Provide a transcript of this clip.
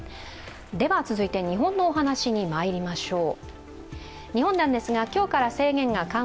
続いて日本のお話にまいりましょう。